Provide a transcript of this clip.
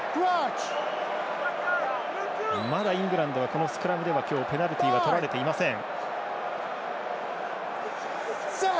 まだイングランドはこのスクラムではペナルティはとられていません。